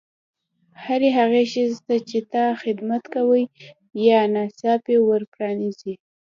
هرې هغې ښځې ته چې تا ته خدمت کوي یا ناڅاپي ور پرانیزي.